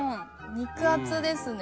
肉厚ですね